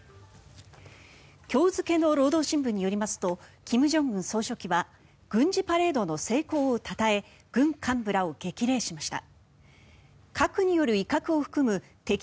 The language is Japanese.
今日付の労働新聞によりますと金正恩総書記は軍事パレードの成功をたたえ軍幹部らを激励しました。